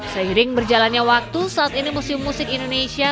seiring berjalannya waktu saat ini museum musik indonesia